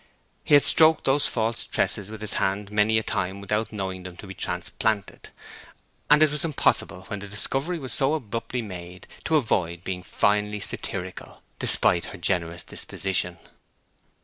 He had stroked those false tresses with his hand many a time without knowing them to be transplanted, and it was impossible when the discovery was so abruptly made to avoid being finely satirical, despite her generous disposition.